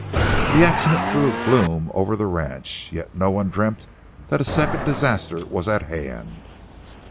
The accident threw a gloom over the ranch. Yet no one dreamt that a second disaster was at hand.